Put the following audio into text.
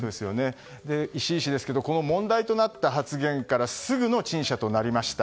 石井氏ですけど問題となった発言からすぐの陳謝となりました。